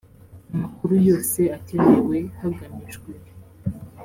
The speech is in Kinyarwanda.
amakuru yose akenewe hagamijwe